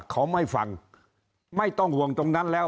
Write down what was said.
เขาไม่ฟังไม่ต้องห่วงตรงนั้นแล้ว